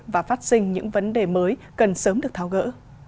và phát sinh những vấn đề mới cần sớm được tháo gỡ